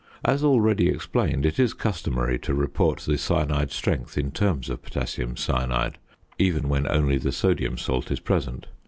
As already explained it is customary to report the cyanide strength in terms of potassium cyanide, even when only the sodium salt is present.